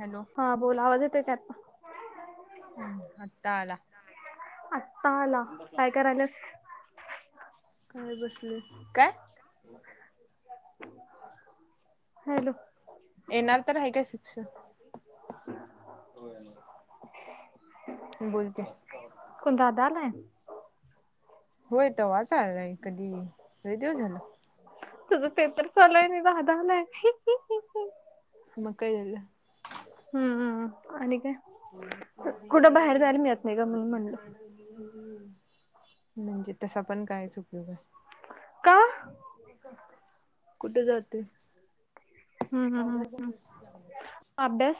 Hello. हा बोल आवाज येतोय त्यात. हम्म आता आला. आत्ता आला काय करा आलास. काय बसले काय? हॅलो. येणार तर आहे का फिक्स. मी बोलते. कोण दादा आलाय. होय तवाच आलाय कधी लय दिवस झाले. तुझ पेपर चालू आहे आणि दादा आलाय. मग काय झालं. हम्मम् आणि काय. कमी कडी कुठं बाहेर ये जायला मिळत नाही का म्हणून बधच. म्हणलं [unintelligible] [inaudible] म्हणजे तसा पण कायच उपयोग आहे. का हम्म कुठे जातेस. हम्म हम्म हम् हम् अभ्यास.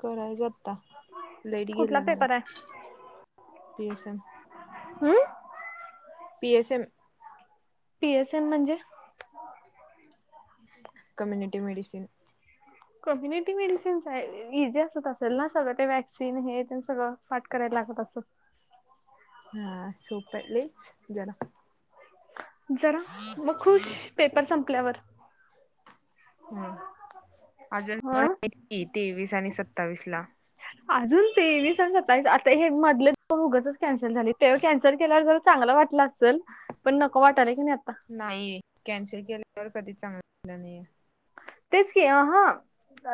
करायच आता लेट कुठला गेला न पेपर आहे पीएस एम. हम्म. P S M. P S N म्हणजे? Community medicine. कम्युनिटी मेडिसिनस आहे, इजी असत असेल ना सगळं ते वॅक्सिन हे सगळं? पाठ करायला लागत असंल? हा सोप आहेलीच जरा [unintelligible] जरा, मग खुश पेपर संपल्यावर. ह, अजून पण हं आहेत की, तेवीस आणि सत्तावीस ला. अजून तेवीस आणि सत्तावीस, आता हे मधले दोन उगचच कॅन्सल झाली, तेव्हा कॅन्सल केल [unintelligible] चांगलं वाटलं असल, पण नको वाटला की नाही आता. नाही, कॅन्सल केल्यावर कधीच चांगला झालं नाहीये. तेच की, अहा-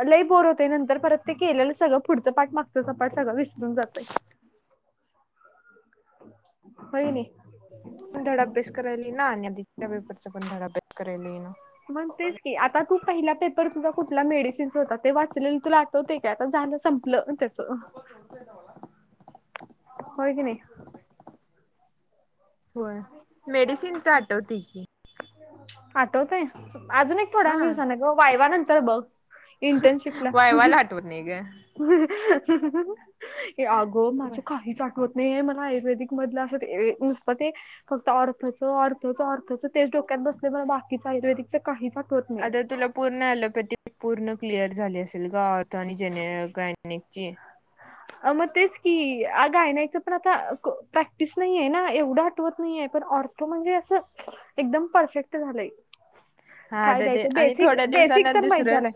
लई बोर होतेय, नंतर परत ते केलेलं सगळं पुढचं पाठ मागचं पाठ सगळं विसरून जातय. होन [unintelligible] पण धड अभ्यास करायला ईना आणि आधच्या पेपरचा पण धड अभ्यास करायला ईना. मग तेच की, आता तू पहिला पेपर तुझा कुठला मेडिसिनस होता, ते वाचले तुला- होतय काय आता झालं संपलं त्येच, होय की नाही? होय, मेडिसिनच आठवते की. आठवतय? अजून एक थोड्या हा दिवसाने ग वायवानंतर बघ. इंटर्नशिपला. वायवाला आठवत नाही ग. [unintelligible] अगो माझ काहीच आठ- वत नाहीये मला, आयुर्वेदिक मधलं असं नुसत- ते फक्त आँर्थोच, आँर्थोच, आँर्थोच, तेच डोक्यात बसले बाकीच आयुर्वेदिक- काहीच आठवत नाही. आता तुला पूर्ण आँलोपॅथी पूर्ण क्लिअर झाली असेल ग, आँर्थो आणि जेने गायनेकची. मग तेच की, गायनेकचं पण आता प्रॅक्टिस नाही ना, एवढं आठवत नाही आहे पण- त म्हणजे, असं एकदम परफेक्ट झालंय. हा, काय तर ते द्यायचं आणि बेसिक थोड्या बेसिक दिवसाना तर माहित झालंय दुसरं-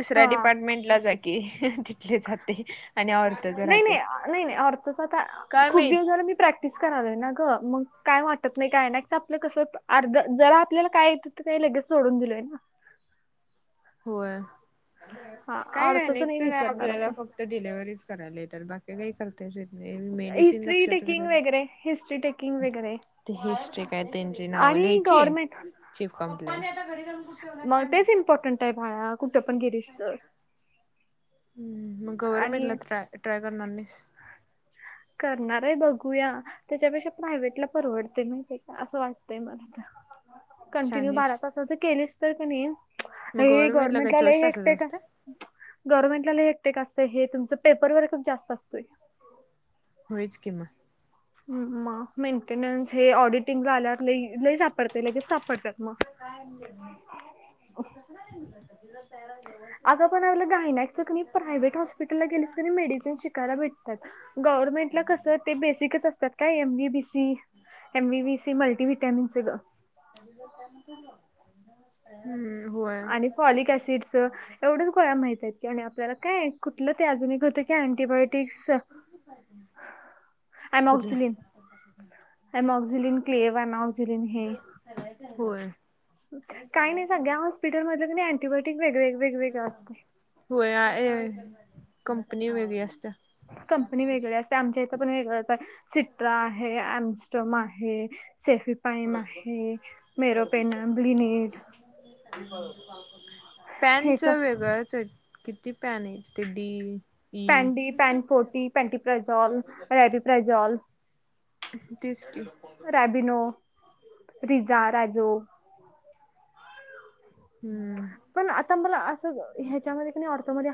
दुसऱ्या हा डिपार्टमेंटला जा की. जाते आणि आँर्थोच नाही राहते. नाही आ- नाही नाही काय माहीत? मिस करायलोय ना ग, मग काय वाटत नाही काय नाही, आपलं कस अर्ध जरा आपल्याला काय- काही लगेच सोडून दिलोय ना. होय. हा काय, नाय [unintelligible] अर्थच नाही लेक्चर काय विसरणार आपल्याला, आता फक्तऽ- फक्त डिलेव्हरीच करायला येत्यात, बाकी काही करताच ये- मेडिसिन हिस्ट्री लक्षात टेकिंग घरा वगैरे हिस्ट्री टेकिंग [unintelligible] वगैरे ते हिस्ट्री काय त्यांची नावं आणि लिहायची, गव्हर्नमेंट चीफ कंप्ले- मग तेच इम्पॉर्टंट आहे भाळा, कुठे पण गेलीस तर. हम्म, मग गव्हरमेंट ला आणि ट्र ट्राय करणार नाहीस. करणार आहे बघूया. त्याच्यापेक्षा प्रायव्हेट ला परवडतय माहिती काय, असं वाटतंय मला तर. कंटिन्यू शहाणी बारा आहेस तसाच केलेस तर कनी- मग हे, गव्हर्नमेंटला काय गव्हर्नमेंट आला चोवीस तासाच हेक्टर काय असतय अस- [unintelligible] गव्हर्नमेंटला लय हेक्टीक असतंय, हे तुमच पेपर वर्कच जास्त असतोय. होयच किं मग. मग, मेंटेन्स हे ऑडिटिंगला आल्यावर लय लईच सापडते्य, लगेच सापडतात. सुद्ध काय घेन नाही. [unintelligible] त कस नाही जर त्या व्यवस्थित हानऽ [unintelligible] [inaudible] तिकडे गेलीस की नाही मेडिसिन शिकायला भेटतात. गव्हर्नमेंट कस ते बेसीकच असतय. त्यात काय एम वि बी स एम वि बी सी मल्टी विटमिनस च ग. सगळीजण काय म्हणत्यात बग, ऐकल्यास [unintelligible] हम्म, होय. आणि फॉलिक ऑसिडच. एवढंच गोळ्या माहित आहेत की आणि आपल्याला. काय, कुठलं ते अजून एक हुतं की अँटीबायोटिक्सच. कुठला अमक्झलन, अमक्झलन क्लेवमक्झलन हे. होय. काही नाही, सगळ्या हॉस्पिटल मधलं की नाही, अँंटीबायोटिक वेगवेगळे असतय. होय. ए कंपनी वेगळी असत्या. कंपनी वेगळी असत्या. आमच्या इथं पण वेगळंचया. सिट्रा आहे, म्स्टडम आहे, सेफी पायम आहे, मेरो पेन बीनेड. हे पॅनच तर वेगळंचेत. किती पॅनेत ते D. E pawn D, pawn forty, Ponty प्रजॉल, रॅबी प्रजॉल. तेच की. रॅबनो, रिजा, राजो. हम्म. पण आता मला असं, ह्याच्यामध्ये की नै ऑर्थोमध्ये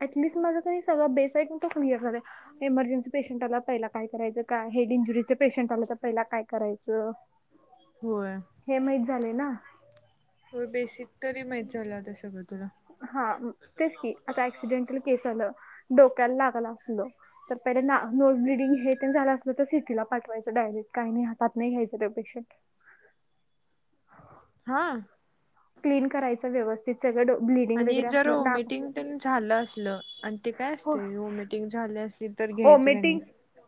अॅटलिस्ट माझ सगळं बेसय का? एखादं एमर्जन्सी पेशंट आला पहिला काय करायंच, काय हे इंजुरी पेंशट आला पयला काय करायचं. होय हे माहित झालय ना. हो, बेसिक तरी माहित झालं, आता सगळं तुला. हा. तेच की, आता ऍक्सिडेंटल केस आलं. डोक्याला लागलं असल, तर पहिले ना नोज ब्लिडिंग हे तेन झालं असलं तर सिटीला पाटवायचं डायरेट. काय नाही हातात नाही घ्यायचं ते पेशंट. हा. क्लीन करायंच व्यवस्थित. सगळ ब्ली आणि जर वॉमिटिंग तेन झालं असलं, आणि ते काय हो असतय. वॉमिटिंग झाली असली तर घ्यायचं का नाही ओमेटिंग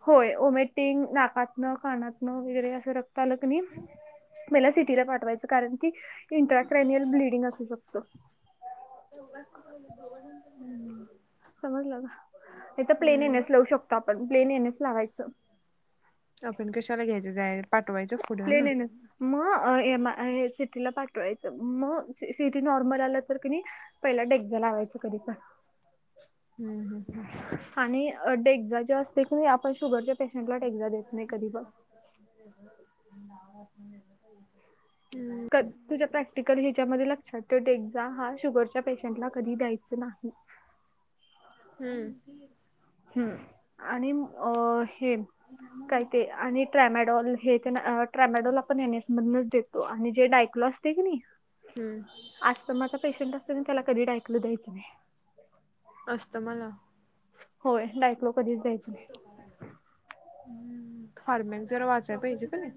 होय, ओमेटिंग नाका तन, कानात न वगैरे असं रक्त आल की नाही मला सिटीला पाठवायचं. कारण की इंट्राक्रेनियल ब्लिडिंग असू शकतो. [unintelligible] समजलं का? इथ प्लेन हम्म. एनएस लावू शकतो आपण. प्लेन एन एस लावायचं. आपण कशाला घ्यायचं. जायत प्लेन एन एस. म एम सिटीला पाठवायचं. म सिटी नॉर्मल आल तर की नी पहिला डेगझ लावायचं कधी पण. हम्म, हम्म, हम्म. आणि डेक्झा जे असतय की नाही. आपण शुगरच्या पेशंटला डेक्झा देत नाही कधी पण. हम्म. तुझ्या प्रॅक्टिकल ह्याच्यामध्ये लक्षात ठेव. डेक्झा हा शुगरच्या पेशंटला कधी द्यायच नाही. हम्म. हम् आणि अ हे काय ते आणि ट्रॅमॅडॉल हे तेन ट्रॅमॅडॉल आपण येनेसमधनच दे अ आणि जे डायक्लो असतय कनी हम्म अस्थमाचा पेशंट असतो कनयी त्याला कधी डायक्लो क्लो द्यायची नाही. अस्थमाला होय डायक्लो कधीच द्यायचं नाही. हम् फार्म्यांंग जरा वाचायला पाहिजे का नाही.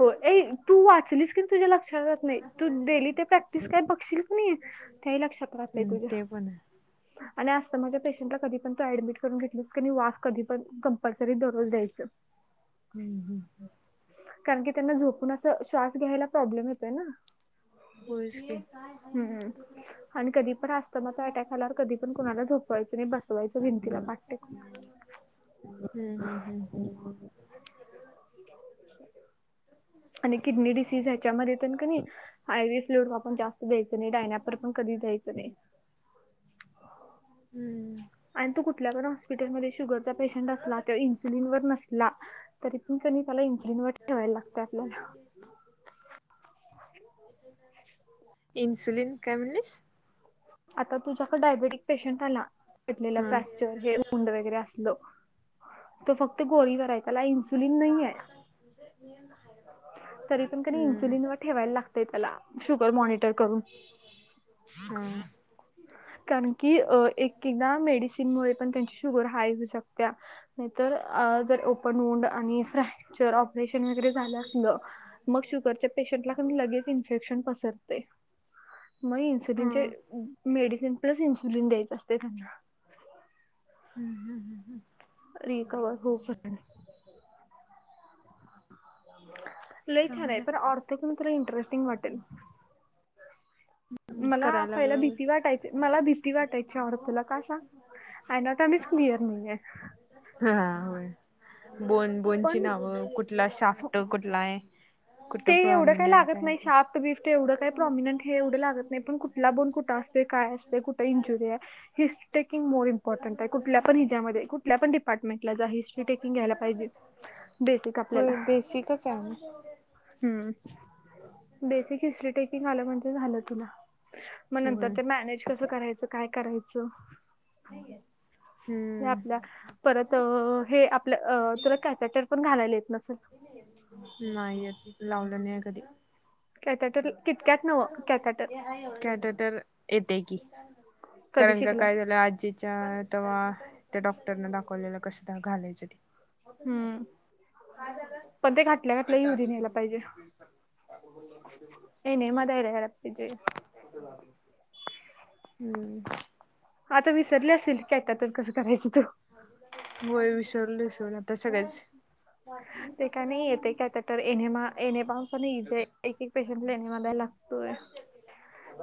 हो ए तू वाचलीस कि तुझ्या लक्षात रहात नाही तू डेली ते प्रॅक्टिस काय बघशील क नाही त्यावेळी लक्षात राहत नाही हम्म तुझ्या ते पण आणि अस्थमाचा पेशंटला कधी पण तु ऍडमिट करून घेतलस किनी वास कधी पण कंपल्सरी दररोज द्यायच. हम्म हम्म कारण की त्यांना झोपून अस श्वास घ्यायला प्रॉब्लेम येतोय ना होयच की हम्म हम्म आणि कधी पण आस्थमाचा अटॅक आल्यावर कधी पण कुणाला झोपवायचं नाही बसवायचं भिंतीला पाट टेकून [inaudible] हम्म हम्म हम्म हम्म आणि किडनी डिसीज ह्याच्यामध्ये तेन किनी आय व्ही एफ फ्लुरो पण जास्त द्यायच नाही डायन्यापर पण कधी द्यायचं नाही. हम्म आणि तो कुठल्या पण हॉस्पिटलमध्ये शुगरचा पेशंट असला किंवा इन्सुलिन वर नसला तरी पण कनी त्याला इन्सुलिनवर ठेवाय लागतय आपल्याला एन्सुलिन काय म्हनलीस आता तुझ्याक डायबेटिक पेशंट आला किडनीला फ्रॅक्चर तर हे उंड वगैरे असलं तो फक्त गोळीवराय त्याला इन्सुलिन सुलिन नाहीये तरी पण कनी इन्सुलिनवर ठेवाय लागतय त्याला शुगर मॉनिटर करून हम्म कारण की अ एक एकदा मेडिसिनमुळे पण त्यांची शुगर हाय होऊ शकतिया. नाहीतर अ जर ओपनोंड आणि फ्रॅक्चर परेशन वगैरे झाल असल मग शुगरच्या पेशंटला कनी लगेच इन्फेक्शन पसरतय. मग इन्सुलिनचे हम्म मेडिसिन प्लस इन्सुलिन द्यायच असतय त्यांना हम्म हम्म हम्म हम्म रिकवर होऊ पर्यंत लय छानय चांगलं पण ऑर्थो घेऊन तुला इंटरेस्टिंग वाटेल. मला करायला पहिला लागल्यावर. भीती वाटायची मला भीती वाटायची ऑर्थोला का सांग? अँनाटॉनीस क्लिअर हुंदेत. हा हा होय बोन बोनची पण नावं कुठला शाफ्ट कुठलाय. ते एवढं काय लागत नाही शाफ्ट बिफ्ट एवढं काय प्रॉमिनंट हे एवढं लागत नाही पण कुठला बोन कुठ असतोय काय असतंय कुठं इंजुरीय हिस हे टेकिंग मोर इम्पॉर्टंटय कुल्यापण ह्यजामध्ये कुल्या पण डिपार्टमेंला जा हि टेकिंग घ्यायला पाहिजे बेसिक आपल्याला होय [unintelligible] हम्म बेसिक हिस्ट्री टेकिंग आलं म्हणजे झालं तुला मग नंतर होय ते मॅनेज कसं करायचं काय करायचं. ल आपल्या हम्म परत हे आपल्या तुला कॅपॅटर पण घालायला येत नसेल. नाही येत लावलं नाही कधी. [unintelligible] नवं कॅथॅटर कॅडेटर येत की कधी करंंग शिकलं काय झालं आजी तेव्हा त्या डॉक्टरन दाखवलेलं कसं घालायचं ते होतच नाही हम्म काय झालं? पण ते घातल्या घातल्या युरिन यायला पाहिजे [unintelligible] [unintelligible] [unintelligible] हम्म आता विसरले असेल की कसं करायचं तु होय विसरलं विसरून आता सगळेच ते काय नाही येते काय तर एनेमा एनेमा पण इजी आहे एक एक पेशंटला एनेमा द्यायला लागतोय.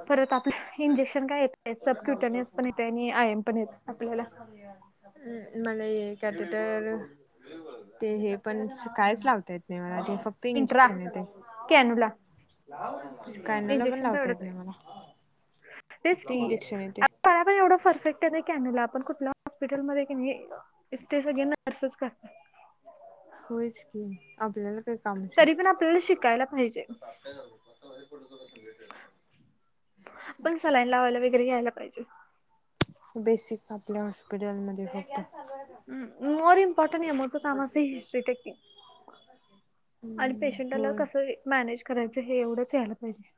परत आपल्या इंजेक्शन काय येत सब क्युटनिस पण येत आणि आयम मला कॅटेटर ते हे पण कायच लावता येत नाही मला ते फक्त इंट्रा इंजेक्शन येते. कॅनुला कायनला पण इंजेक्शन लावता तेवढंच येत आहे नाही मला तेच ती की इंजेक्शन येते. पण एवढं परफेक्ट आहे ना कॅनूला आपण कुठल्या हॉस्पिटल मध्ये कि नाही. ते सगळे नर्सच करतात. होच की आपल्याला [inaudible] तरी पण आपल्याला शिकायला पाहिजे पण सलाईन लावायला वगैरे घ्यायला पाहिजे. बेसिक आपल्या हॉस्पिटलमध्ये फक्त हम् मरम पट नाही मोचं कामा हिस्ट्री [inaudible] आणि हम्म पेशंटाला होय कसं मॅनेज करायचं हे एवढंच यायला पाहिजे.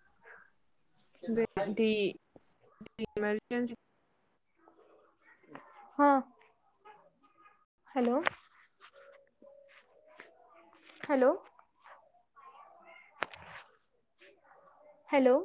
ती इमर्जन्सी हा हॅलो हॅलो [unintelligible] हॅलो